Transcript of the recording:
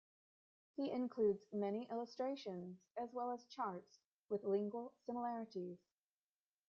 He includes many illustrations as well as charts with lingual similarities.